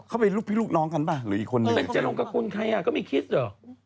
เข้าไปลูกพี่ลูกน้องกันป่ะลูกอีกคนนึง